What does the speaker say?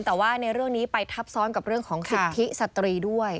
แต่ว่าในเรื่องนี้ไปทับซ้อนกับเรื่องของสิทธิสตรีด้วย